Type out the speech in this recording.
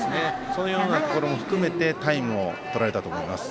そういうようなところも含めてタイムをとられたと思います。